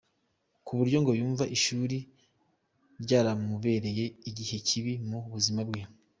Ku buryo ngo yumva ishuri ryaramubereye igihe kibi mu buzima bwe.